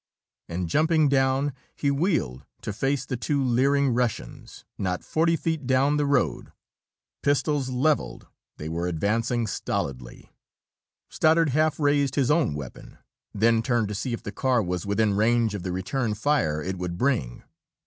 And jumping down, he wheeled to face the two leering Russians, not forty feet down the road. Pistols levelled, they were advancing stolidly. Stoddard half raised his own weapon, then turned to see if the car was within range of the return fire it would bring.